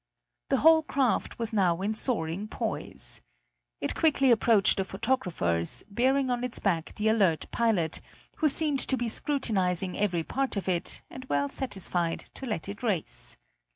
The whole craft was now in soaring poise. It quickly approached the photographers, bearing on its back the alert pilot, who seemed to be scrutinizing every part of it and well satisfied to let it race.